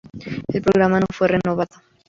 El programa no fue renovado.